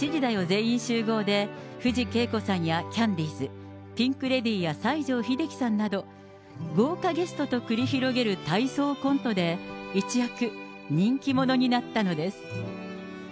全員集合で、藤圭子さんやキャンディーズ、ピンク・レディや西城秀樹さんなど、豪華ゲストと繰り広げる体操コントで、一躍、人気者になったのです。